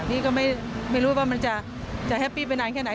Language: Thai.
พี่ก็ไม่รู้ว่ามันจะไหวไปนานแค่ไหน